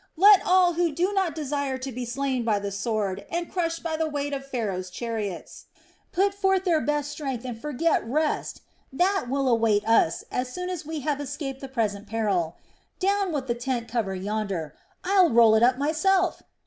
Let all who do not desire to be slain by the sword and crushed by the weight of Pharaoh's chariots put forth their best strength and forget rest! That will await us as soon as we have escaped the present peril. Down with the tent cover yonder; I'll roll it up myself.